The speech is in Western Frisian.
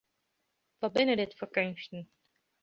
Wat binne dit foar keunsten!